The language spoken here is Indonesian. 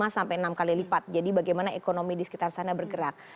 lima sampai enam kali lipat jadi bagaimana ekonomi di sekitar sana bergerak